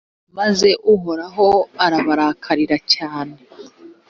maze uhoraho arabarakarira cyane.